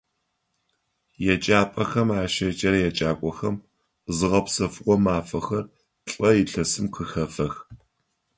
Еджапӏэхэм ащеджэрэ еджакӏохэм зыгъэпсэфыгъо мафэхэр плӏэ илъэсым къыхэфэх.